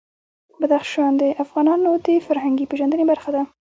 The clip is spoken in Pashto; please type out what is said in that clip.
بدخشان د افغانانو د فرهنګي پیژندنې برخه ده.